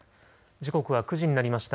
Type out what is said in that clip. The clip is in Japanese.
時刻は９時になりました。